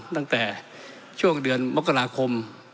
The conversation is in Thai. ตั้งแต่ช่วงเดือนมกราคม